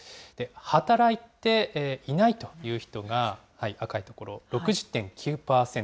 働いていないという人が赤い所、６０．９％。